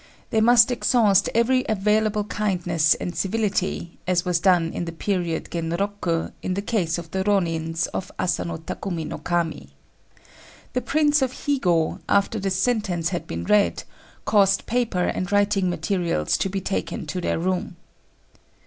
They must exhaust every available kindness and civility, as was done in the period Genroku, in the case of the Rônins of Asano Takumi no Kami. The Prince of Higo, after the sentence had been read, caused paper and writing materials to be taken to their room.